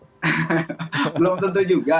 belum tentu juga